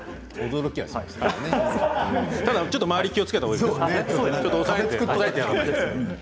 ちょっと周りは気をつけたほうがいいですけどね。